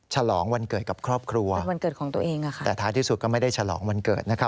ฉลองวันเกิดกับครอบครัวแต่ท้ายที่สุดก็ไม่ได้ฉลองวันเกิดนะครับ